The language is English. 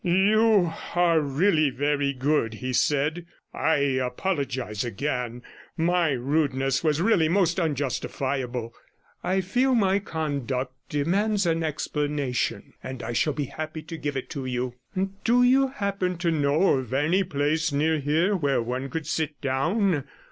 'You are really very good,' he said. 'I apologise again; my rudeness was really most unjustifiable. I feel my conduct demands an explanation, and I shall be happy to give it to you. Do you happen to know of any place near here where one could sit down?